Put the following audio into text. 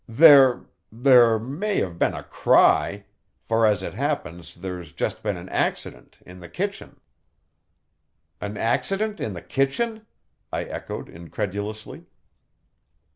There there may have been a cry, for as it happens there's just been an accident in the kitchen." "An accident in the kitchen?" I echoed, incredulously.